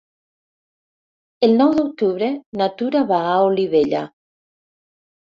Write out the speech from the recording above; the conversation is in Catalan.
El nou d'octubre na Tura va a Olivella.